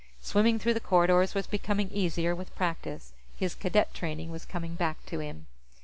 Swimming through the corridors was becoming easier with practice; his Cadet training was coming back to him.